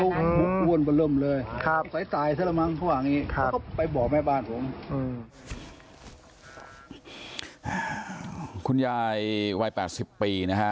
ครับเขาก็ไปบ่อแม่บ้านผมคือยายวายแปดสิบปีนะฮะ